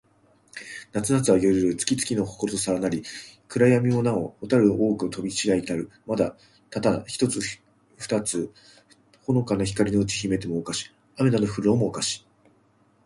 夏なつは、夜よる。月つきのころはさらなり。闇やみもなほ、蛍ほたるの多おほく飛とびちがひたる。また、ただ一ひとつ二ふたつなど、ほのかにうち光ひかりて行いくも、をかし。雨あめなど降ふるも、をかし。